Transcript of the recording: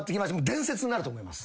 伝説になると思います。